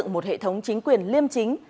một hệ thống chính quyền liêm chính